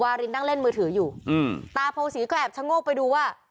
วารินนั่งเล่นมือถืออยู่อืมตาโพศีก็แอบชะโงกไปดูว่า